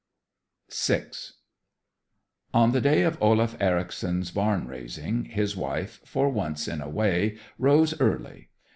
VI On the day of Olaf Ericson's barn raising, his wife, for once in a way, rose early.